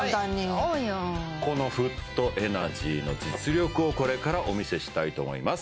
そうよこのフットエナジーの実力をこれからお見せしたいと思います